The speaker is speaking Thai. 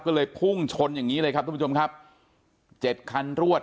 ก็เลยพุ่งชนอย่างงี้เลยครับทุกผู้ชมครับเจ็ดคันรวด